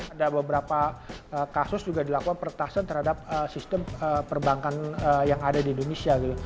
ada beberapa kasus juga dilakukan peretasan terhadap sistem perbankan yang ada di indonesia gitu